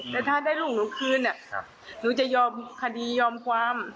แต่ถ้าได้ลูกหนูคืนหนูจะยอมคดียอมความ